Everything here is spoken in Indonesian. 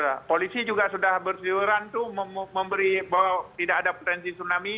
ya polisi juga sudah bersiuran tuh memberi bahwa tidak ada potensi tsunami